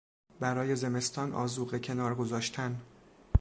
برای زمستان آذوقه کنار گذاشتن